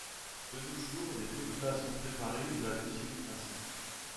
De nos jours, les deux plats sont préparés de la deuxième façon.